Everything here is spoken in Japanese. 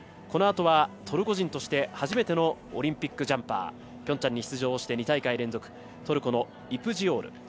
このあとはトルコ人として初めてのオリンピックジャンパーピョンチャンに出場して２大会連続トルコのイプジオール。